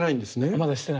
まだしてない。